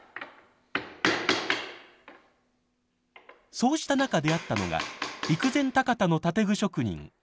そうした中出会ったのが陸前高田の建具職人中村多一。